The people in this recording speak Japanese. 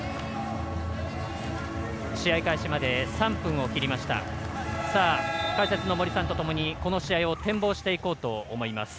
試合開始まで３分を切りました。